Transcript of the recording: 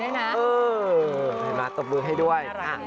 เห็นไหมตบมือให้ด้วย